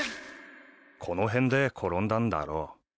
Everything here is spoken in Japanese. この辺で転んだんだろう。